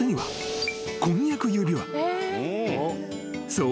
［そう。